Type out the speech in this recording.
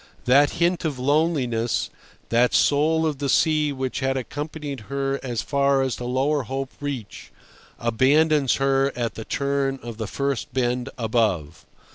That hint of loneliness, that soul of the sea which had accompanied her as far as the Lower Hope Reach, abandons her at the turn of the first bend above.